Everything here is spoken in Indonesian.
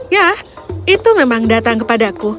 ya itu memang datang kepadaku